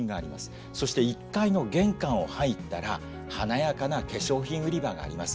そして１階の玄関を入ったら華やかな化粧品売り場があります。